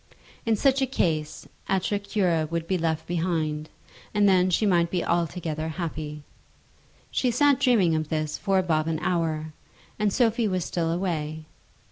In such a case Atra Cura would be left behind, and then she might be altogether happy. She sat dreaming of this for above an hour, and Sophie was still away.